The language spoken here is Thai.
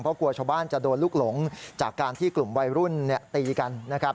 เพราะกลัวชาวบ้านจะโดนลูกหลงจากการที่กลุ่มวัยรุ่นตีกันนะครับ